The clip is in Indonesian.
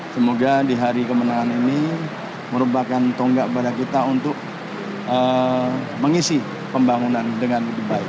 semoga di hari kemenangan ini merupakan tonggak pada kita untuk mengisi pembangunan dengan lebih baik